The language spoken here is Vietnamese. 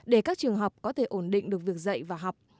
để các trường học có thể ổn định được việc dạy và học